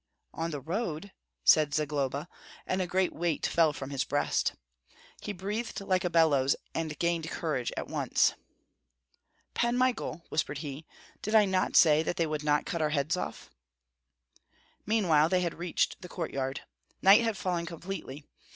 "On the road?" said Zagloba; and a great weight fell from his breast. He breathed like a bellows, and gained courage at once. "Pan Michael," whispered he, "did I not say that they would not cut our heads off?" Meanwhile they had reached the courtyard. Night had fallen completely.